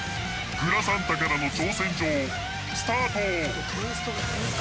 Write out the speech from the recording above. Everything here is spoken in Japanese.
◆グラサンタからの挑戦状、スタート！